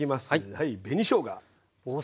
はい紅しょうが。